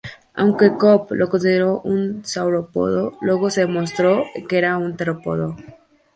Aunque Cope lo consideró un saurópodo, luego se demostró que era un terópodo.